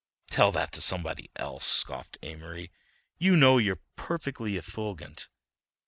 "Tell that to somebody else," scoffed Amory. "You know you're perfectly effulgent."